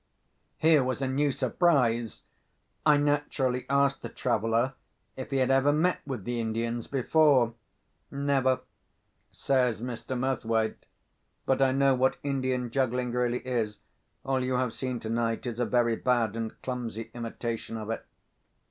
Here was a new surprise! I naturally asked the traveller if he had ever met with the Indians before. "Never," says Mr. Murthwaite; "but I know what Indian juggling really is. All you have seen tonight is a very bad and clumsy imitation of it.